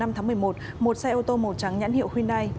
một xe ô tô màu trắng nhãn hiệu hyundai